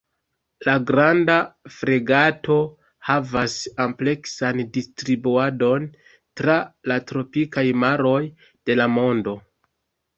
La Granda fregato havas ampleksan distribuadon tra la tropikaj maroj de la mondo.